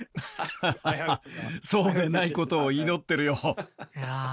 そうでないことを祈ってるよ。